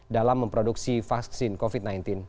dalam memproduksi vaksin covid sembilan belas